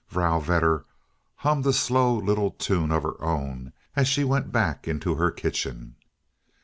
Vrouw Vedder hummed a slow little tune of her own, as she went back into her kitchen.